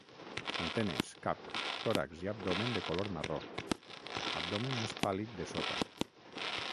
Antenes, cap, tòrax i abdomen de color marró; abdomen més pàl·lid de sota.